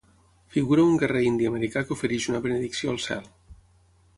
Figura un guerrer indi americà que ofereix una benedicció al cel.